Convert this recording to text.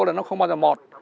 là nó không bao giờ mọt